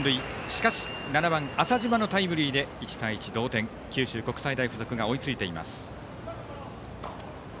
しかし、７番浅嶋のタイムリーで１対１、同点、九州国際大付属が追いついています。